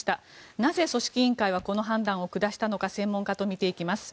なぜ、組織委員会はこの判断を下したのか専門家と見ていきます。